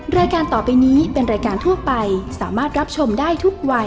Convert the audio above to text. รายการต่อไปนี้เป็นรายการทั่วไปสามารถรับชมได้ทุกวัย